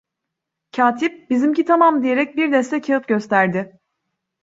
Katip: "Bizimki tamam!" diyerek bir deste kağıt gösterdi.